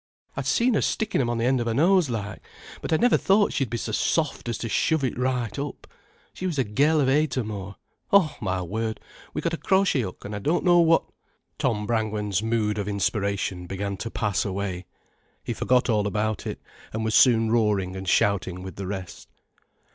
I'd seen her stickin' 'em on the end of her nose, like, but I never thought she'd be so soft as to shove it right up. She was a gel of eight or more. Oh, my word, we got a crochet hook an' I don't know what...." Tom Brangwen's mood of inspiration began to pass away. He forgot all about it, and was soon roaring and shouting with the rest.